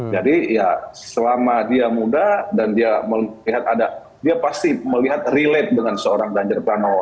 jadi ya selama dia muda dan dia melihat ada dia pasti melihat relate dengan seorang ganjar pranowo